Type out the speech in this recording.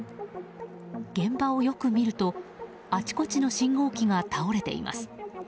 現場をよく見るとあちこちの信号機が倒れています。